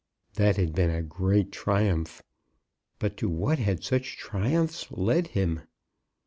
That had been a great triumph! But to what had such triumphs led him?